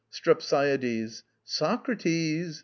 STREPSIADES. Socrates!